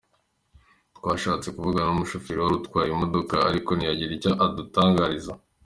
Twashatse kuvugana n’umushoferi wari utwaye iyi modoka, ariko ntiyagira icyo adutangariza.